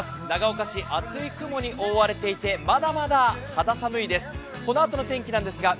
長岡市、厚い雲に覆われていてまだまだ肌寒いです。